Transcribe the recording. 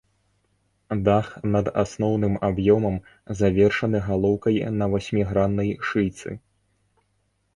Дах над асноўным аб'ёмам завершаны галоўкай на васьміграннай шыйцы.